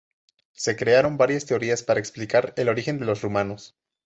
Se crearon varias teorías para explicar el origen de los rumanos.